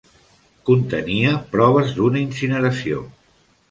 Contenia proves d'una incineració.